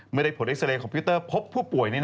เมื่อได้ผลเรทคอมพิวเตอร์พบผู้ป่วย